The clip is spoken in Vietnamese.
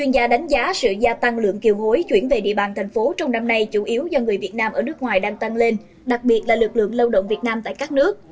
chuyên gia đánh giá sự gia tăng lượng kiều hối chuyển về địa bàn thành phố trong năm nay chủ yếu do người việt nam ở nước ngoài đang tăng lên đặc biệt là lực lượng lao động việt nam tại các nước